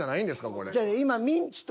これ。